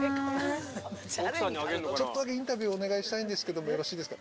ちょっとインタビューお願いしたいんですけど、よろしいですか？